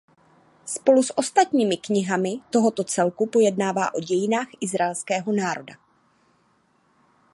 Spolu s ostatními knihami tohoto celku pojednává o dějinách Izraelského národa.